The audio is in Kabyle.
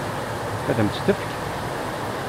Ad m-tt-tefk?